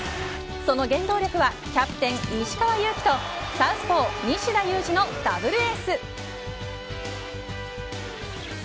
その原動力はキャプテン石川祐希とサウスポー西田有志のダブルエース。